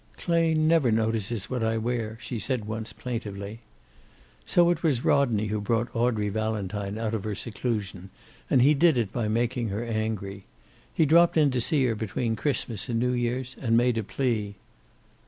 "Clay never notices what I wear," she said, once, plaintively. So it was Rodney who brought Audrey Valentine out of her seclusion, and he did it by making her angry. He dropped in to see her between Christmas and New years, and made a plea.